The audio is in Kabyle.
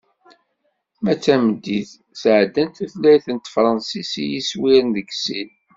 Ma d tameddit, sɛeddan tutlayt n tefransist i yiswiren deg sin.